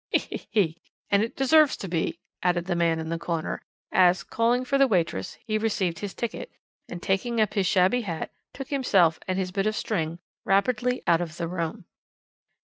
He! he! he! and it deserves to be," added the man in the corner, as, calling for the waitress, he received his ticket, and taking up his shabby hat, took himself and his bit of string rapidly out of the room.